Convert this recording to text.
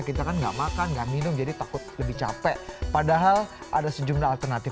kita kan nggak makan nggak minum jadi takut lebih capek padahal ada sejumlah alternatif